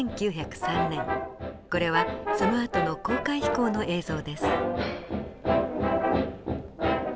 これはそのあとの公開飛行の映像です。